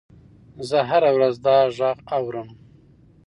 زه هره ورځ دا غږ اورم.